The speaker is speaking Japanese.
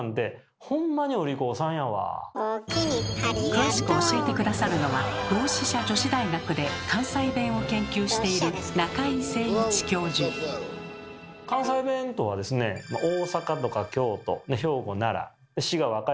詳しく教えて下さるのは同志社女子大学で関西弁を研究している「関西弁」とはですねこれをですね